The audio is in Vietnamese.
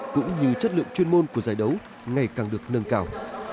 cũng như chất lượng chuyên môn của giải đấu ngày càng được nâng cao